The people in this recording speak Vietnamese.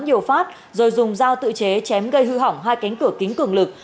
nhiều phát rồi dùng dao tự chế chém gây hư hỏng hai cánh cửa kính cường lực